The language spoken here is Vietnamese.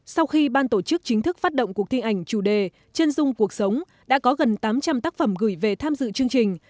sau khi ban tổ chức chính thức phát động cuộc thi ảnh chủ đề chân dung cuộc sống đã có gần tám trăm linh tác phẩm gửi về tham dự chương trình